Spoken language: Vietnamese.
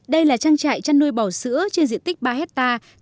đây là trang trại chăn nuôi bò sữa trên diện tích ba hectare